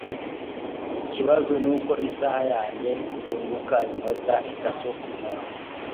Ikibazo nuko isaha yanjye yunguka iminota itatu kumunsi